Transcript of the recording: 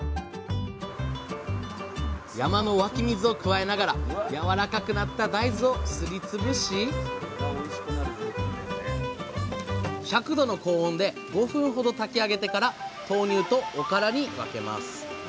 山の湧き水を加えながらやわらかくなった大豆をすり潰し１００℃の高温で５分ほど炊き上げてから豆乳とおからに分けます。